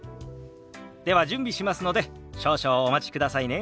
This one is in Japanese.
では準備しますので少々お待ちくださいね。